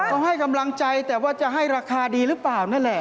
เขาให้กำลังใจแต่ว่าจะให้ราคาดีหรือเปล่านั่นแหละ